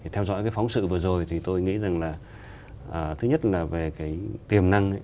theo dõi phóng sự vừa rồi thì tôi nghĩ rằng là thứ nhất là về tiềm năng